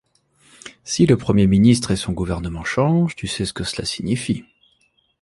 Si le Premier ministre et son gouvernement change, tu sais ce que cela signifie…